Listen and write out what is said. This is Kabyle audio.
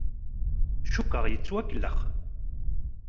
Cukkeɣ yettwakellex.